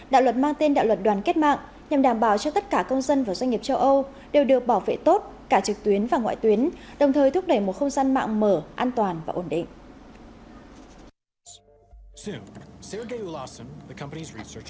đạo luật mang tên đạo luật đoàn kết mạng nhằm đảm bảo cho tất cả công dân và doanh nghiệp châu âu đều được bảo vệ tốt cả trực tuyến và ngoại tuyến đồng thời thúc đẩy một không gian mạng mở an toàn và ổn định